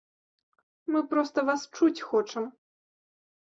Мы проста вас чуць хочам.